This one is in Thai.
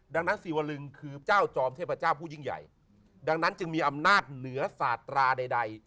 ดังนั้นศิวลึงคือเจ้าจอมเทพเจ้าผู้ยิ่งใหญ่ดังนั้นจึงมีอำนาจเหนือสาตราใด